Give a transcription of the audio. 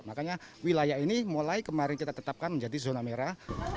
makanya wilayah ini mulai kemarin kita tetapkan menjadi zona merah